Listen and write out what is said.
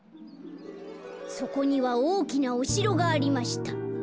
「そこにはおおきなおしろがありました。